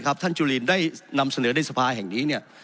ครับท่านจุลินได้นำเสนอสภาแห่งนี้